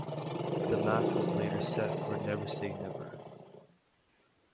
The match was later set for Never Say Never.